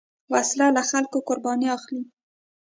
وسله له خلکو قرباني اخلي